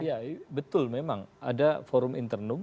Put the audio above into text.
iya betul memang ada forum internum